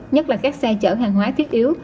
nhất là các xe chở hàng hóa thiết yếu